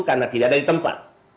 karena tidak ada di tempat